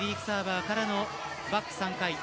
サーバーからのバック３回。